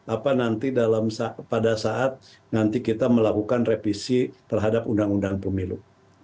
apa nanti pada saat nanti kita melakukan revisi terhadap undang undang pemilu